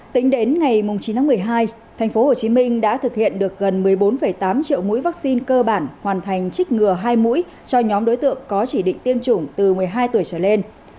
tính đến ngày chín tháng một mươi hai tp hcm đã thực hiện được gần một mươi bốn tám triệu mũi vaccine cơ bản hoàn thành trích ngừa hai mũi cho nhóm đối tượng có chỉ định tiêm chủng từ một mươi hai tuổi trở lên